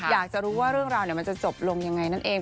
อยากจะรู้ว่าเรื่องราวมันจะจบลงยังไงนั่นเอง